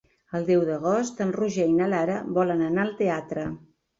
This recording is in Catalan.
El deu d'agost en Roger i na Lara volen anar al teatre.